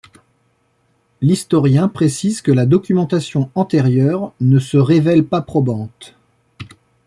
L'historien précise que La documentation antérieure ne se révèle pas probante.